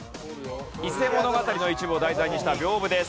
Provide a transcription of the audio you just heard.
『伊勢物語』の一部を題材にした屏風です。